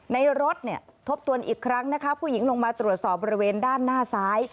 รถเนี่ยทบทวนอีกครั้งนะคะผู้หญิงลงมาตรวจสอบบริเวณด้านหน้าซ้าย